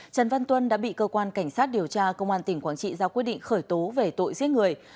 trần văn tuân đã bị cơ quan cảnh sát điều tra công an tỉnh quảng trị ra quyết định khởi tố về tội giết người